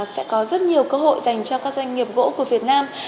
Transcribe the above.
sẽ có rất nhiều cơ hội dành cho các doanh nghiệp gỗ của việt nam